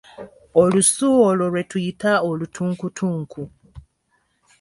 Olusu olwo lwe tuyita olutunkutunku .